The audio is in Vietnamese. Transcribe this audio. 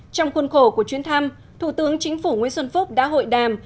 trong khuôn khổ của chuyến thăm thủ tướng chính phủ nguyễn xuân phúc đã hội đàm